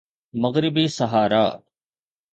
مغربي صحارا